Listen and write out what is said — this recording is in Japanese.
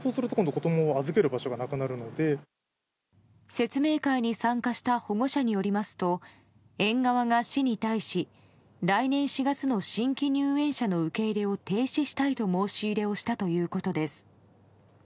説明会に参加した保護者によりますと園側が市に対し来年４月の新規入園者の受け入れを停止したいと申し入れをしたということです。